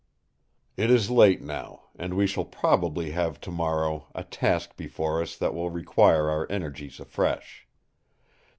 It is late now; and we shall probably have tomorrow a task before us that will require our energies afresh.